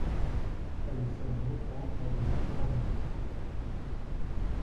Elle se rencontre à Baía Formosa.